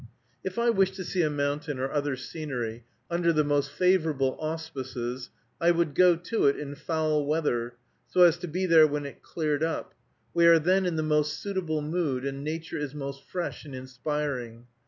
If I wished to see a mountain or other scenery under the most favorable auspices, I would go to it in foul weather, so as to be there when it cleared up; we are then in the most suitable mood, and nature is most fresh and inspiring.